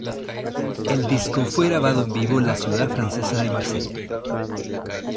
El disco fue grabado en vivo en la ciudad francesa de Marsella.